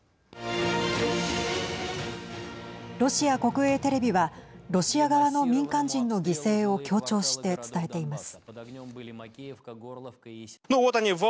ロシア国営テレビはロシア側の民間人の犠牲を強調して伝えています。